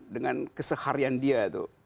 dengan keseharian dia